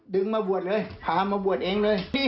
มาบวชเลยพามาบวชเองเลย